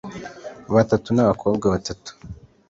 batatu n abakobwa batatu